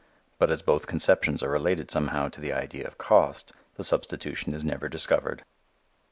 But as both conceptions are related somehow to the idea of cost, the substitution is never discovered.